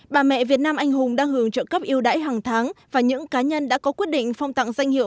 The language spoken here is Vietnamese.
bà mẹ việt nam anh hùng đang hưởng trợ cấp yêu đáy hàng tháng và những cá nhân đã có quyết định phong tặng danh hiệu